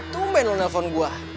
tumben lu nelfon gua